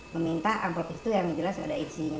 meminta angkopis itu yang jelas ada isinya